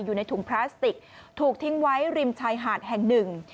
อยู่ในถุงพลาสติกถูกทิ้งไว้ริมชายหาดแห่งหนึ่ง